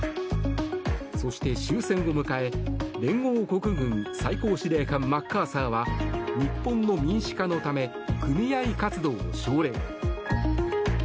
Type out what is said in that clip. そして、終戦を迎え連合国軍最高司令官マッカーサーは日本の民主化のため組合活動を奨励。